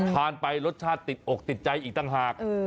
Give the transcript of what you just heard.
ทานไปรสชาติติดอกติดใจอีกต่างหาก